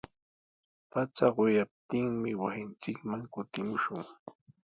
Pacha quyaptinmi wasinchikman kutimushun.